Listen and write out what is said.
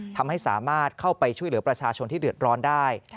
ทำให้สามารถเข้าไปช่วยเหลือประชาชนที่เดือดร้อนได้